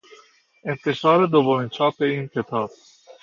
انتشار دومین چاپ این کتاب